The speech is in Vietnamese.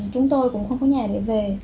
chúng tôi cũng không có nhà để về